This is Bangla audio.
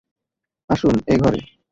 আসুন এ ঘরে।